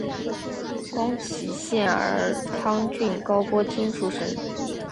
宫崎县儿汤郡高锅町出身。